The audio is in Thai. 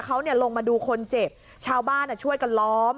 เขาลงมาดูคนเจ็บชาวบ้านช่วยกันล้อม